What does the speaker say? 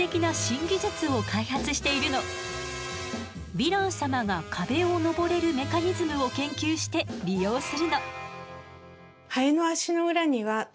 ヴィラン様が壁を登れるメカニズムを研究して利用するの。